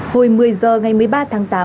hồi một mươi h ngày một mươi ba tháng tám